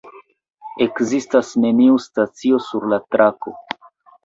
Ekzistas neniu stacio sur la trako.